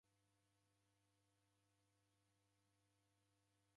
Ondapata mumi, otulia kwake